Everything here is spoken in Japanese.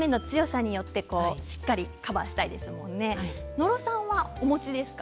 鶴田さんはお持ちですか？